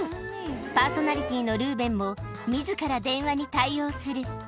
パーソナリティーのルーベンもみずから電話に対応する。